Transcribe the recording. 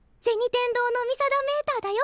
天堂の見定メーターだよ！